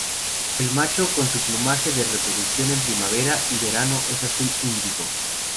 El macho con su plumaje de reproducción en primavera y verano es azul índigo.